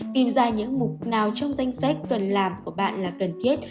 tìm ra những mục nào trong danh sách cần làm của bạn là cần thiết